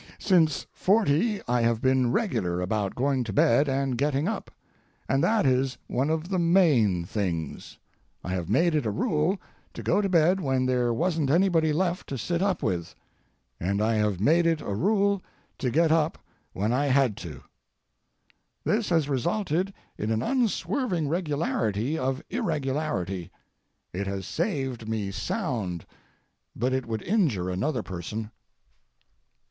Since forty I have been regular about going to bed and getting up—and that is one of the main things. I have made it a rule to go to bed when there wasn't anybody left to sit up with; and I have made it a rule to get up when I had to. This has resulted in an unswerving regularity of irregularity. It has saved me sound, but it would injure another person.